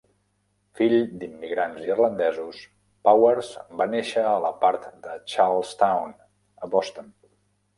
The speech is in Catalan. Fill d'immigrants irlandesos, Powers, va néixer a la part de Charlestown, a Boston.